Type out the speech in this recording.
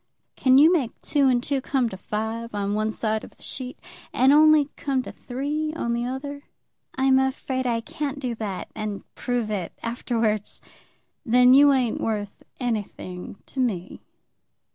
"Can you make two and two come to five on one side of the sheet, and only come to three on the other?" "I'm afraid I can't do that, and prove it afterwards." "Then you ain't worth anything to me."